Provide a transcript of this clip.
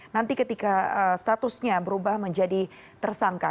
nanti ketika statusnya berubah menjadi tersangka